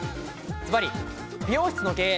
ずばり、美容室の経営。